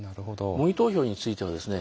模擬投票についてはですね